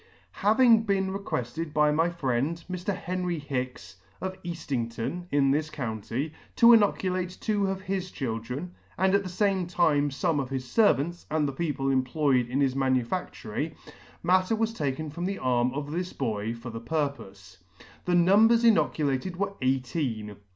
Having been requeued by my friend Mr. Henry Hicks, of Eaftington, [ >33 ] Eaftington, in this county, to inoculate two of his children, and at the fame time fome of his fervants and the people employed in his manufactory, matter was taken from the arm of this boy for the purpofe. The numbers inoculated were eighteen.